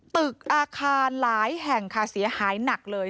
ตึกอาคารหลายแห่งค่ะเสียหายหนักเลย